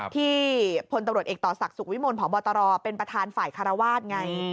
พลตำรวจเอกต่อศักดิ์สุขวิมลพบตรเป็นประธานฝ่ายคารวาสไง